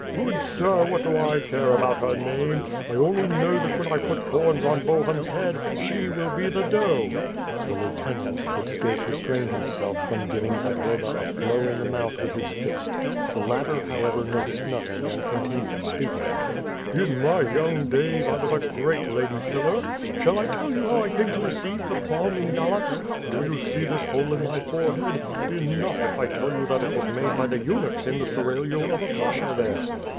"Good sir, what do I care about her name. I only know that when I put horns on Bohun's head, she will be the doe." The lieutenant could scarce restrain himself from giving Zagloba a blow in the mouth with his fist; the latter, however, noticed nothing, and continued speaking: "In my young days, I was a great lady killer. Shall I tell you how 1 came to receive the palm in Galatz? Do you see this hole in my forehead? Enough, if I tell you that it was made by the eunuchs in the seraglio of a pasha there."